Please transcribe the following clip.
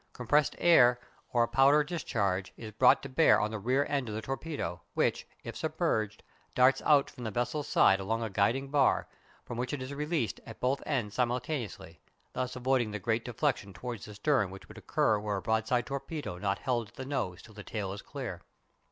Compressed air or a powder discharge is brought to bear on the rear end of the torpedo, which, if submerged, darts out from the vessel's side along a guiding bar, from which it is released at both ends simultaneously, thus avoiding the great deflection towards the stern which would occur were a broadside torpedo not held at the nose till the tail is clear.